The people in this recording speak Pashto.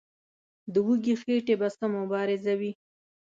د وږي خېټې به څه مبارزه وي.